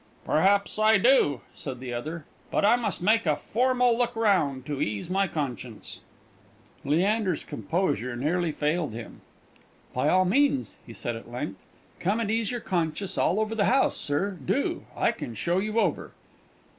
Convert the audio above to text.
"Perhaps I do," said the other; "but I must make a formal look round, to ease my conscience." Leander's composure nearly failed him. "By all means," he said at length. "Come and ease your conscience all over the house, sir, do; I can show you over."